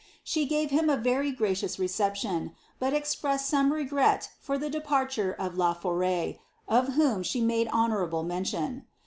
She gave faun a very gracious reception, but expressed some regret for the de parture of La For^t, of whom she made honourable mention.